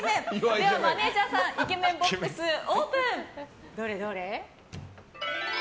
ではマネジャーさんイケメンボックスオープン！